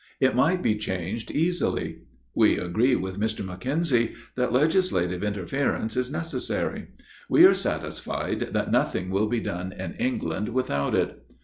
It might be changed easily. We agree with Mr. Mackenzie, that legislative interference is necessary; we are satisfied that nothing will be done in England without it.